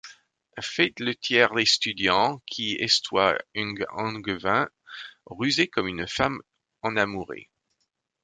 feit le tiers estudiant, qui estoyt ung Angevin, rusé comme une femme enamourée.